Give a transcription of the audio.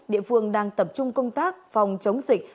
địa phương đang tập trung công tác phòng chống dịch